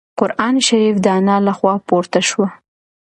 قرانشریف د انا له خوا پورته شو.